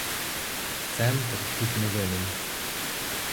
Центр тут не винен.